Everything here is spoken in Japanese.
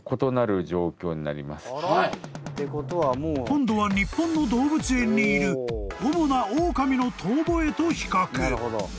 ［今度は日本の動物園にいる主なオオカミの遠吠えと比較］